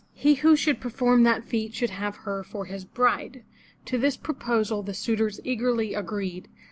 He who should perform that feat should have her for his bride. To this proposal the suitors eagerly agreed.